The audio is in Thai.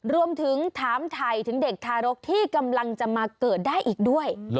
รวมถึงถามถ่ายถึงเด็กทารกที่กำลังจะมาเกิดได้อีกด้วย